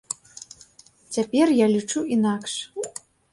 Цяпер я лічу інакш.